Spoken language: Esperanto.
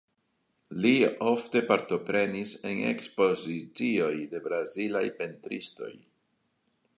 Li ofte partoprenis en ekspozicioj de brazilaj pentristoj.